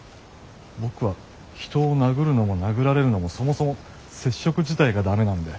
僕は人を殴るのも殴られるのもそもそも接触自体が駄目なんで。